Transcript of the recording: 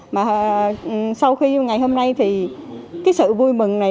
mà sau khi ngày hôm nay thì cái sự vui mừng này